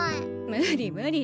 無理無理。